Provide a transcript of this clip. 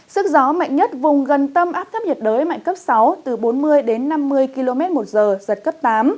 sức gió mạnh nhất vùng gần tâm áp thấp nhiệt đới mạnh cấp sáu từ bốn mươi đến năm mươi km một giờ giật cấp tám